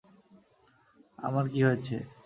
আমার কি হয়েছে?